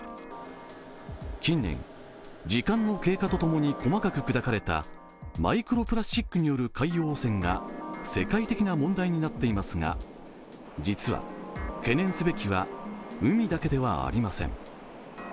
近年、時間の経過と共に細かく砕かれたマイクロプラスチックによる海洋汚染が世界的な問題になっていますが実は、懸念すべきは海だけではありません。